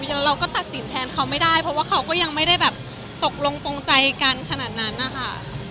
แล้วเราก็ตัดสินแทนเขาไม่ได้เพราะว่าเขาก็ยังไม่ได้แบบตกลงตรงใจกันขนาดนั้นนะคะ